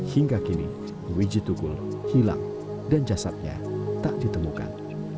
hingga kini wijitukul hilang dan jasadnya tak ditemukan